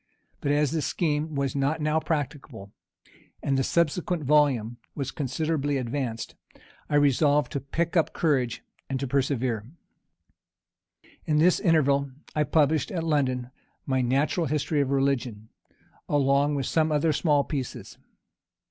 But as this scheme was not now practicable, and the subsequent volume was considerably advanced, I resolved to pick up courage and to persevere. In this interval, I published, at London, my Natural History of Religion, along with some other small pieces.